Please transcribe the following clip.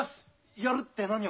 ・やるって何を？